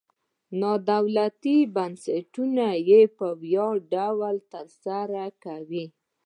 نادولتي بنسټونه یې په وړیا ډول تر سره کوي.